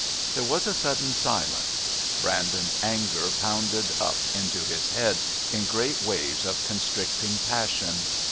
There was a sudden silence. Brandon's anger pounded up into his head in great waves of constricting passion.